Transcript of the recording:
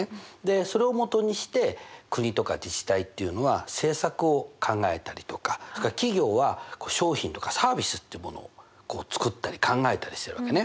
それをもとにして国とか自治体っていうのは政策を考えたりとかそれから企業は商品とかサービスっていうものを作ったり考えたりしてるわけね。